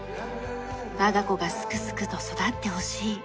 我が子がすくすくと育ってほしい。